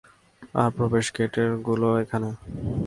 আর প্রবেশগেটেরগুলো এখানে।